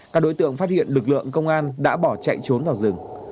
các đối tượng phát hiện lực lượng công an đã bỏ chạy trốn vào rừng